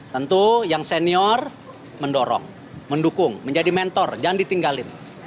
tentu yang senior mendorong mendukung menjadi mentor jangan ditinggalin